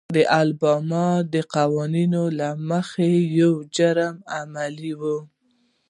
د الاباما د قوانینو له مخې دا یو جرمي عمل و.